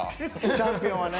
チャンピオンはね。